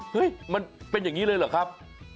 มันเป็นอย่างนี้เลยเหรอครับ